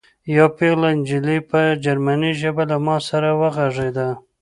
یوه پېغله نجلۍ په جرمني ژبه له ما سره وغږېده